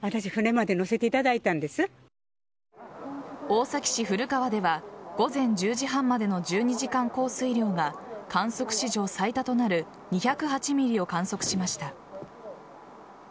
大崎市古川では午前１０時半までの１２時間降水量が観測史上最多となる２０８ｍｍを観測しました。